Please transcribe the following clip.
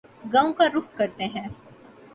گاوں کا رخ کرتے ہیں